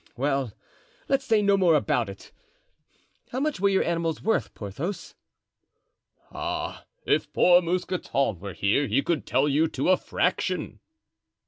Well, let's say no more about it. How much were your animals worth, Porthos?" "Ah, if poor Mousqueton were here he could tell you to a fraction."